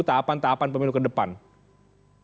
nah bagaimana memastikan bahwa itu tidak akan mengganggu